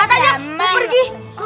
katanya mau pergi